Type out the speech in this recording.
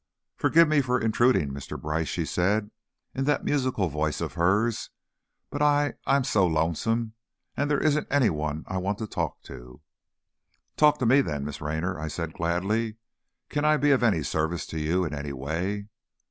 "Forgive me for intruding, Mr. Brice," she said, in that musical voice of hers, "but I I am so lonesome, and there isn't anyone I want to talk to." "Talk to me, then, Miss Raynor," I said, gladly. "Can I be of any service to you in any way?"